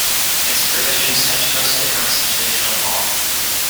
Its provisions touch mostly constitutional law.